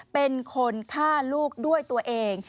เป็นคนฆ่าลูกด้วยตัวเอง